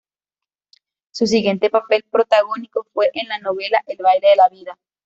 Su siguiente papel protagónico fue en la novela "El baile de la vida".